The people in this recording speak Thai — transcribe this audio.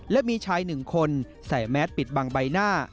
และมีชายหนึ่งคนใส่แมสปิดบังใบหน้า